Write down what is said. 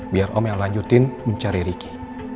biar om yang lanjutin mencari ricky